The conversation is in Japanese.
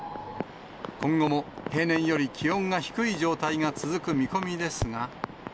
今後も平年より気温が低い状態が続く見込みですが。